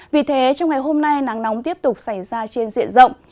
vì thế trong ngày hôm nay nắng nóng tiếp tục xảy ra trên diện rộng